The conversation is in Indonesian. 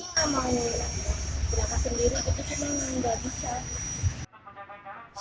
ini sama mereka sendiri itu memang nggak bisa